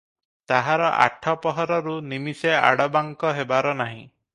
ତାହାର ଆଠ ପହରରୁ ନିମିଷେ ଆଡ଼ବାଙ୍କ ହେବାର ନାହିଁ ।